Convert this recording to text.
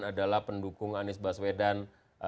adalah pendukung anies baswedan